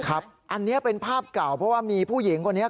อันนี้เป็นภาพเก่าเพราะว่ามีผู้หญิงคนนี้